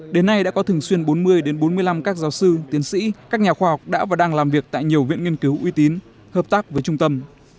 đến nay đã có thường xuyên bốn mươi bốn mươi năm các giáo sư tiến sĩ các nhà khoa học đã và đang làm việc tại nhiều viện nghiên cứu uy tín hợp tác với trung tâm